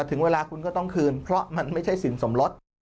ถึงเวลาคุณก็ต้องคืนเพราะมันไม่ใช่สินสมรส